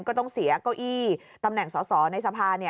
ก็ต้องเสียเก้าอี้ตำแหน่งสอสอในสภา